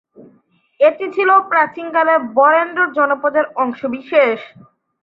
এটি ছিল প্রাচীন কালে বরেন্দ্র জনপদের অংশ বিশেষ।